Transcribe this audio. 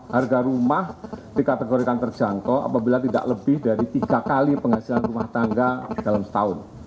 harga rumah dikategorikan terjangkau apabila tidak lebih dari tiga kali penghasilan rumah tangga dalam setahun